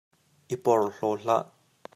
I porhlaw hlah.